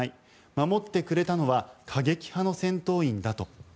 守ってくれたのは過激派の戦闘員だと。